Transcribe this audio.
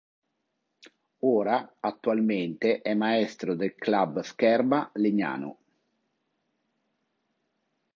Ora attualmente è maestro del Club Scherma Legnano.